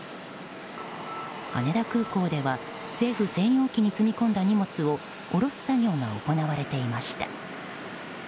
羽田空港では政府専用機に積み込んだ荷物を下ろす作業が行われていました。